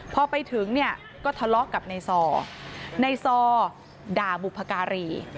พอไปถึงเนี่ยก็ทะเลาะกับในซอในซอด่าบุพการี